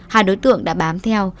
hai đối tượng đã bám theo